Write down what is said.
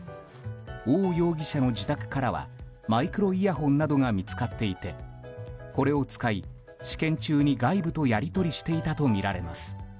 オウ容疑者の自宅からはマイクロイヤホンなどが見つかっていてこれを使い、試験中に外部とやり取りしていたとみられます。